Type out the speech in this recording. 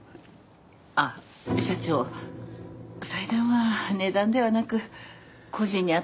あっ社長祭壇は値段ではなく故人に合ったものを。